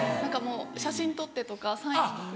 写真撮ってとかサイン。